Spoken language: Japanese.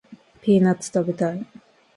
ピーナッツ食べたい